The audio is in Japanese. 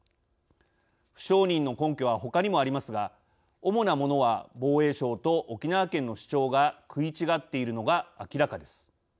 不承認の根拠はほかにもありますが主なものは、防衛省と沖縄県の主張が食い違っているのが明らかです。